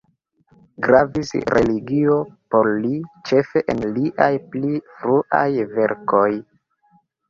Gravis religio por li, ĉefe en liaj pli fruaj verkoj.